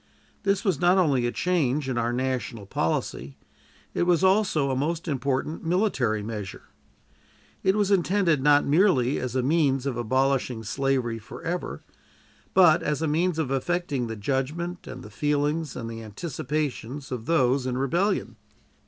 This was not only a change in our national policy, it was also a most important military measure. It was intended not merely as a means of abolishing slavery forever, but as a means of affecting the judgment and the feelings and the anticipations of those in rebellion.